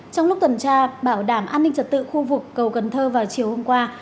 trong lúc tuần tra bảo đảm an ninh trật tự khu vực cầu cần thơ vào chiều hôm qua